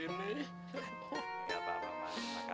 gak apa apa bang terima kasih banget